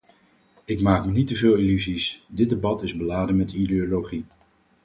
Ik maak me niet teveel illusies: dit debat is beladen met ideologie.